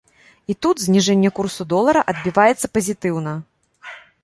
І тут зніжэнне курсу долара адбіваецца пазітыўна.